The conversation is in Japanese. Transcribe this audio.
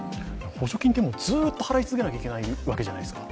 補助金ってずっと払い続けなきゃいけないわけじゃないですか。